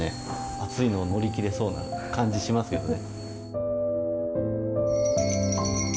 暑いのを乗り切れそうな感じしますよね。